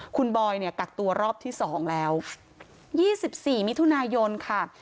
คุณบอยเนี่ยกักตัวรอบที่๒แล้ว๒๔มิถุนายนค่ะ